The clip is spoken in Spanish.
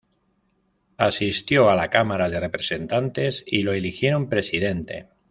Asistió a la Cámara de Representantes y lo eligieron Presidente.